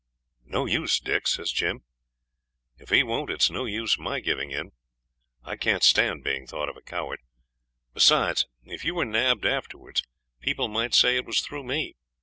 'No use, Dick,' says Jim. 'If he won't it's no use my giving in. I can't stand being thought a coward. Besides, if you were nabbed afterwards people might say it was through me.